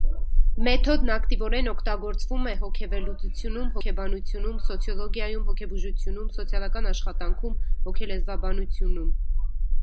Մեթոդն ակտիվորեն օգտագործվում է՝ հոգեվերլուծությունում, հոգեբանությունում, սոցիոլոգիայում, հոգեբուժությունում, սոցիալական աշխատանքում, հոգելեզվաբանությունում։